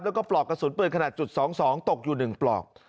แล้วก็ปลอกกระสุนเปิดขนาดจุดสองสองตกอยู่หนึ่งปลอก